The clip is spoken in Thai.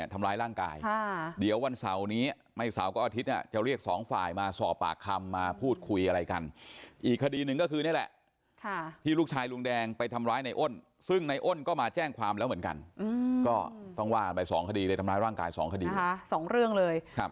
ทำอะไรสองคดีเลยทำร้ายร่างกายสองคดีสองเรื่องเลย